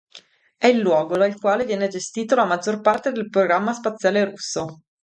È il luogo dal quale viene gestito la maggior parte del programma spaziale russo.